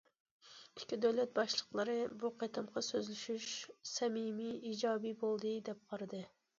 ئىككى دۆلەت باشلىقلىرى بۇ قېتىمقى سۆزلىشىش سەمىمىي، ئىجابىي بولدى دەپ قارىدى.